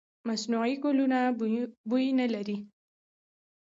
مصنوعي ګلونه بوی نه لري.